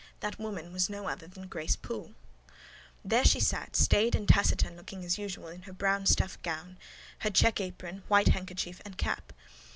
That woman was no other than Grace Poole. There she sat, staid and taciturn looking, as usual, in her brown stuff gown, her check apron, white handkerchief, and cap.